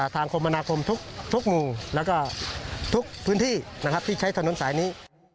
ทางคมมนาคมทุกมูร์และก็ทุกพื้นที่ที่ใช้ถนนใส่นี้